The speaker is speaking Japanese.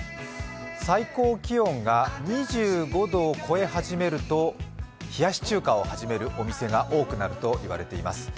最高気温が２５度を超え始めると冷やし中華を始めるお店が多くなるそうです。